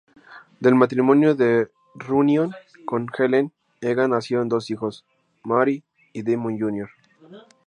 Del matrimonio de Runyon con Ellen Egan nacieron dos hijos, Mary y Damon, Jr.